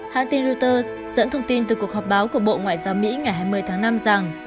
hãng tin reuters dẫn thông tin từ cuộc họp báo của bộ ngoại giao mỹ ngày hai mươi tháng năm rằng